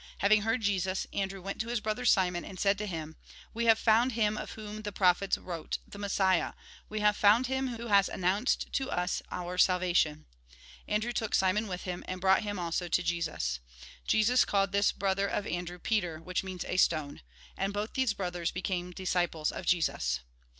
Having heard Jesus, Andrew went to his brother Simon, and said to him :" We have found him of whom the prophets wrote, the Messiah ; we have found him who has announced to us our salvation." Andrew took Simon with him, and brought him also to Jesus. 28 THE GOSPEL IN BRIEF Jesus called this brother of Andrew, Peter, which means a stone. And both these brothers became disciples of Jesus.